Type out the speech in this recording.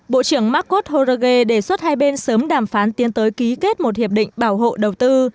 bộ trưởng marcos jorge đề xuất hai bên sớm đàm phán tiến tới ký kết một hiệp định bảo hộ đầu tư